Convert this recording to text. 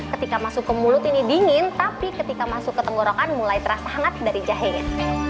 ketika masuk ke mulut ini dingin tapi ketika masuk ke tenggorokan mulai terasa hangat dari jahenya